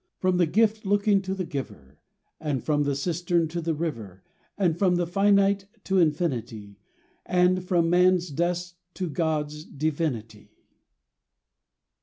. From the gift looking to the giver, And from the cistern to the river. And from the finite to infinity, And from man's dust to God's divinity."